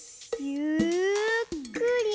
ゆっくり。